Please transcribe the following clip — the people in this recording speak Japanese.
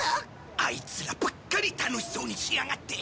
アイツらばっかり楽しそうにしやがって。